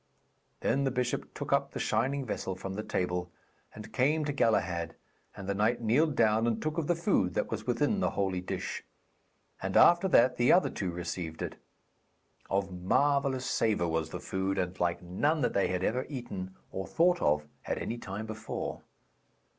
Then the bishop took up the shining vessel from the table, and came to Galahad; and the knight kneeled down and took of the food that was within the holy dish. And after that the other two received it. Of marvellous savour was the food, and like none that they had ever eaten or thought of at any time before.